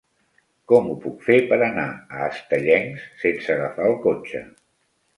Com ho puc fer per anar a Estellencs sense agafar el cotxe?